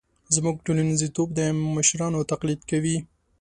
زموږ ټولنیزتوب د مشرانو تقلید وي.